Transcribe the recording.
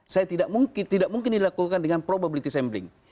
saya tidak mungkin dilakukan dengan probability sampling